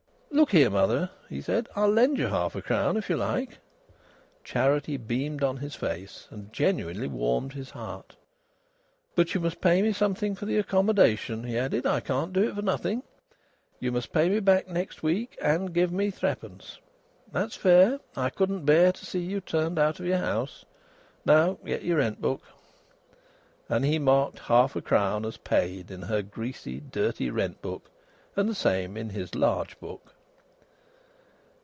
"Look here, mother," he said, "I'll lend you half a crown if you like." Charity beamed on his face, and genuinely warmed his heart. "But you must pay me something for the accommodation," he added. "I can't do it for nothing. You must pay me back next week and give me threepence. That's fair. I couldn't bear to see you turned out of your house. Now get your rent book." And he marked half a crown as paid in her greasy, dirty rent book, and the same in his large book.